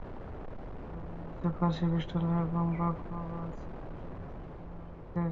বামিয়েহ হচ্ছে ফারসি মিষ্টান্ন এবং বাখলাভা হচ্ছে বাদাম মিশ্রিত ক্যারামেলের কেক।